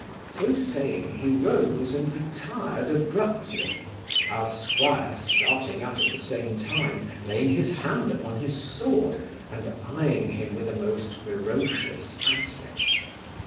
So saying, he rose and retired abruptly; our 'squire starting up at the same time, laying his hand upon his sword, and eyeing him with a most ferocious aspect.